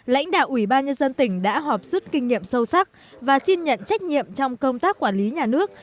lãnh đạo ủy ban nhân dân tỉnh đã họp rút kinh nghiệm sâu sắc và xin nhận trách nhiệm trong công tác quản lý nhà nước